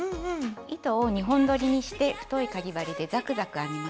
糸を２本どりにして太いかぎ針でザクザク編みます。